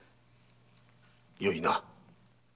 よいな。